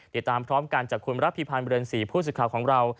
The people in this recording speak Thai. เดี๋ยวตามพร้อมการจากคุณรัฐพิพันธ์บริเวณศรีผู้สิทธิ์ข่าวของเรา